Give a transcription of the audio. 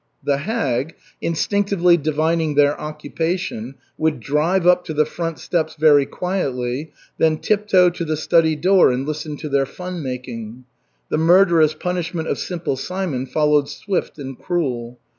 The "hag," instinctively divining their occupation, would drive up to the front steps very quietly, then tiptoe to the study door and listen to their fun making. The murderous punishment of Simple Simon followed swift and cruel.